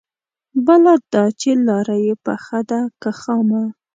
بله دا چې لاره يې پخه ده که خامه؟